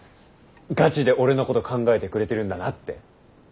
ガチで俺のこと考えてくれてるんだなって。